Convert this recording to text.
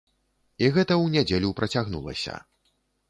І гэта ў нядзелю працягнулася.